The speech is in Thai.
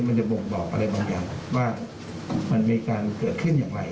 มันจะบ่งบอกอะไรบางอย่างว่ามันมีการเกิดขึ้นอย่างไร